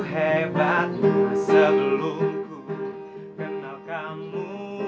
kok ada suara orang nyanyi